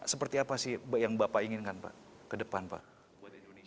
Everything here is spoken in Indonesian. seperti apa sih yang bapak inginkan pak ke depan pak buat indonesia